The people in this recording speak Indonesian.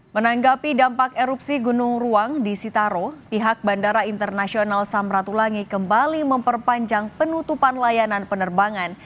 menanggapi dampak erupsi gunung ruang di sitaro pihak bandara internasional samratulangi kembali memperpanjang penutupan layanan penerbangan